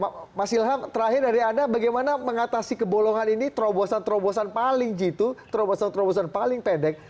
mas ilham terakhir dari anda bagaimana mengatasi kebolongan ini terobosan terobosan paling jitu terobosan terobosan paling pendek